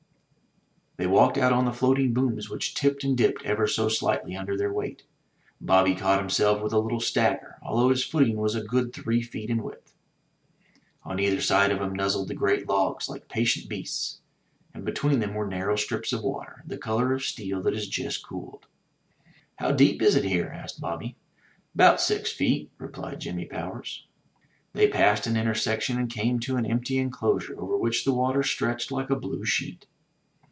They walked out on the floating booms, which tipped and dipped ever so slightly under their weight. Bobby caught him self with a Uttle stagger, although his footing was a good three feet in width. On either side of him nuzzled the great logs, like patient beasts, and between them were narrow strips of water, the color of steel that has just cooled. *'How deep is it here?" asked Bobby. "'Bout six feet," replied Jimmy Powers. They passed an intersection, and came to an empty enclosure over which the water stretched like a blue sheet.